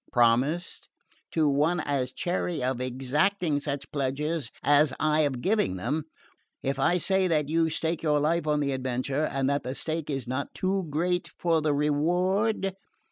"Promised ?" "To one as chary of exacting such pledges as I of giving them. If I say that you stake your life on the adventure, and that the stake is not too great for the reward